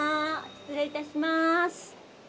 失礼いたします。